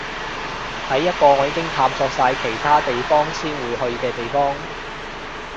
係一個我已經探索晒其他地方先會去嘅地方